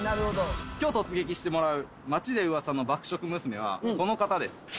今日突撃してもらう街で噂の爆食娘はこの方です。